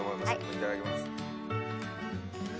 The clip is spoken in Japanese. いただきます。